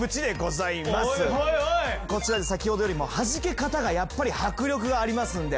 こちら先ほどよりもはじけ方が迫力がありますんで。